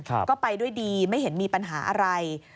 ก็ไปด้วยดีไม่เห็นมีปัญหาอะไร